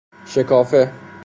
شکافه